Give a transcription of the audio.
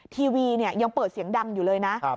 ทีวียังเปิดเสียงดังอยู่เลยนะ